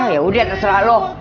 ya udah terserah lu